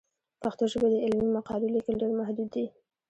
په پښتو ژبه د علمي مقالو لیکل ډېر محدود دي.